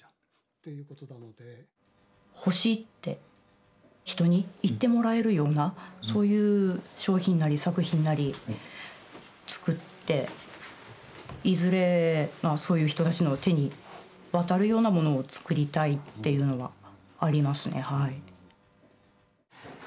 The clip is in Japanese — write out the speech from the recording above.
「欲しい」って人に言ってもらえるようなそういう商品なり作品なり作っていずれそういう人たちの手に渡るようなものを作りたいっていうのはありますね。